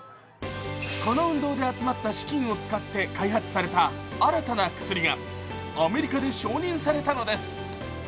この運動で集まった資金を使って開発された新たな薬がアメリカで承認されたのです。